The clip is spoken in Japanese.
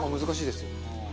難しいですよね。